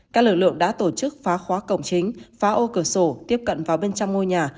các lực lượng đã tổ chức phá khóa cổng chính phá ô cửa sổ tiếp cận vào bên trong ngôi nhà